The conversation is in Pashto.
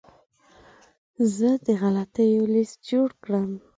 زه د غلطیو لیست جوړ کړم.